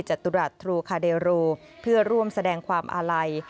จตุรัสทรูคาเดโรเพื่อร่วมแสดงความอาลัย